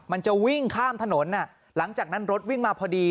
มันจะวิ่งข้ามถนนหลังจากนั้นรถวิ่งมาพอดี